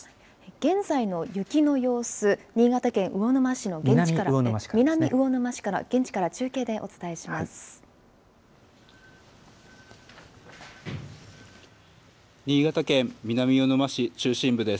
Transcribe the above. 現在の雪の様子、新潟県南魚沼市から、現地から中継でお伝えします。